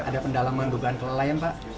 ada pendalaman beban kelolaian pak